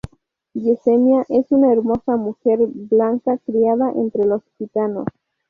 Yesenia es una hermosa mujer blanca criada entre los gitanos.